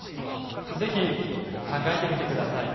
是非考えてみてください。